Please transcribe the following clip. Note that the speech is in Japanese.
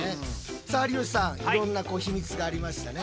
さあ有吉さんいろんなヒミツがありましたね。